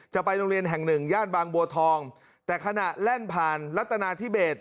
จะไปโรงเรียนแห่งหนึ่งย่านบางบัวทองแต่ขณะแล่นผ่านรัฐนาธิเบส